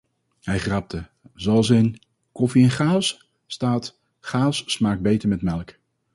Hij grapte: "Zoals in 'Koffie & Chaos' staat: 'Chaos smaakt beter met melk.'"